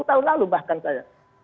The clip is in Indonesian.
tahun lalu bahkan saya